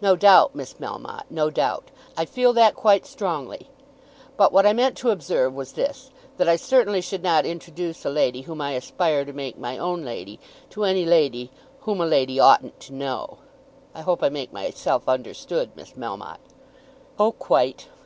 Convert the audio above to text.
"No doubt, Miss Melmotte, no doubt. I feel that quite strongly. But what I meant to observe was this, that I certainly should not introduce a lady whom I aspire to make my own lady to any lady whom a lady oughtn't to know. I hope I make myself understood, Miss Melmotte." "Oh, quite."